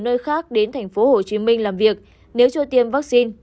nơi khác đến tp hcm làm việc nếu chưa tiêm vaccine